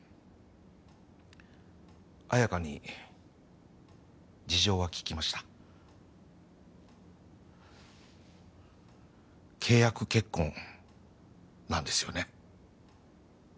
綾華に事情は聞きました契約結婚なんですよね？